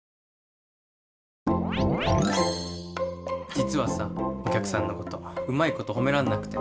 実はさお客さんのことうまいこと褒めらんなくて。